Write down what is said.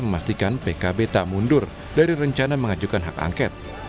memastikan pkb tak mundur dari rencana mengajukan hak angket